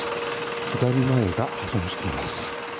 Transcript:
左前が破損しています。